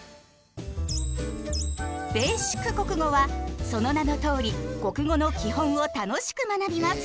「ベーシック国語」はその名のとおり国語の基本を楽しく学びます。